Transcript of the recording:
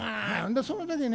その時ね